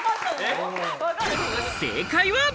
正解は。